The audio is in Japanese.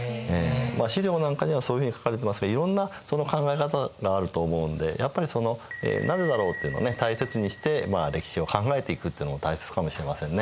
史料なんかにはそういうふうに書かれてますがいろんなその考え方があると思うのでやっぱりその「なぜだろう？」っていうのを大切にして歴史を考えていくっていうのも大切かもしれませんね。